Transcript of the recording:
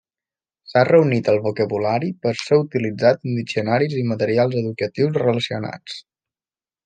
S'ha reunit el vocabulari per ser utilitzat en diccionaris i materials educatius relacionats.